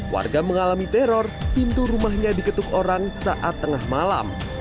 warga mengalami teror pintu rumahnya diketuk orang saat tengah malam